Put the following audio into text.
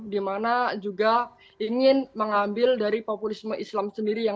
dimana juga ingin mengambil dari populisme islam sendiri